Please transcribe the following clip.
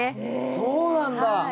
そうなんだ！